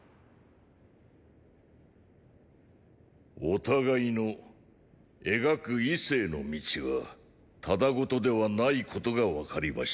お互いの描く為政の道がただごとではないことが分かりました。